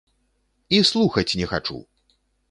І слухаць не хачу!